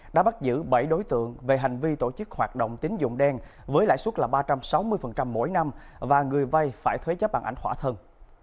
đã bắt giữ bảy đối tượng về hành vi tổ chức hoạt động tín dụng đen với lãi suất là ba trăm sáu mươi mỗi năm và người vay phải thuế chấp bằng ảnh khỏa thân